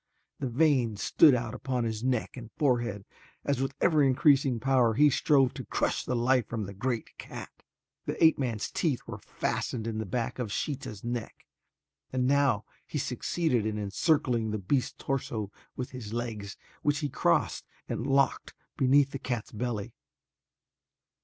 The veins stood out upon his neck and forehead as with ever increasing power he strove to crush the life from the great cat. The ape man's teeth were fastened in the back of Sheeta's neck and now he succeeded in encircling the beast's torso with his legs which he crossed and locked beneath the cat's belly.